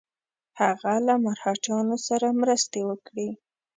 هغه له مرهټیانو سره مرستې وکړي.